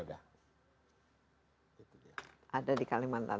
ada di kalimantan